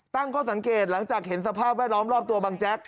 ตั้งข้อสังเกตหลังจากเห็นสภาพแวดล้อมรอบตัวบังแจ๊ก